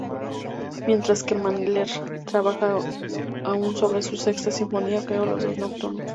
Mientras que Mahler trabajaba aún sobre su Sexta Sinfonía, creó los dos nocturnos.